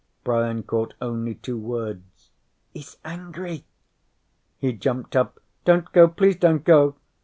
Brian caught only two words: "Is angry...." He jumped up. "Don't go! Please don't go!"